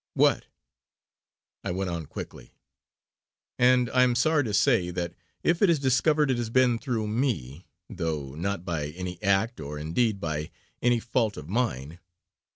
"What!" I went on quickly: "And I am sorry to say that if it is discovered it has been through me; though not by any act or indeed by any fault of mine."